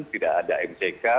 tidak ada mck